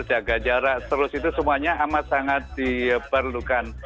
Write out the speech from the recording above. jaga jarak terus itu semuanya amat sangat diperlukan